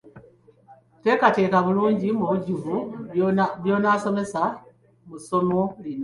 Teekateeka bulungi mu bujjuvu by'onaabasomesa mu ssomo lino.